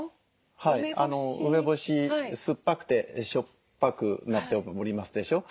梅干し酸っぱくてしょっぱくなっておりますでしょ。